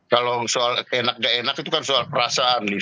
kalau soal enak gak enak itu kan soal perasaan